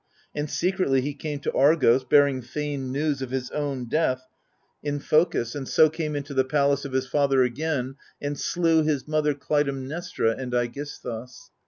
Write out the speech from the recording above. And secretly he came to Argos, bearing feigned news of his own death in xiv THE HOUSE OF ATREUS Phocis, and so came into the palace of his father again, and slew his mother Clytemnestra andiEgisthus.